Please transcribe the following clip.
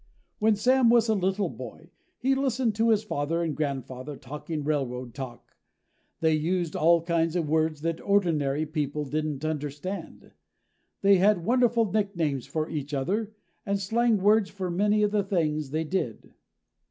When Sam was a little boy, he listened to his father and grandfather talking railroad talk. They used all kinds of words that ordinary people didn't understand. They had wonderful nicknames for each other, and slang words for many of the things they did.